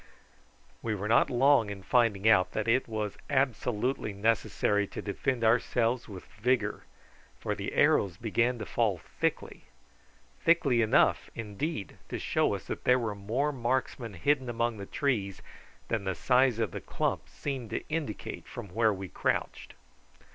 We were not long in finding out that it was absolutely necessary to defend ourselves with vigour, for the arrows began to fall thickly thickly enough, indeed, to show us that there were more marksmen hidden among the trees than the size of the clump seemed to indicate from where we crouched.